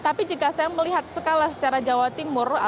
tapi jika saya melihat skala secara jawa timur